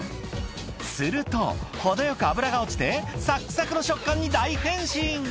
すると、程よく油が落ちて、さっくさくの食感に大変身。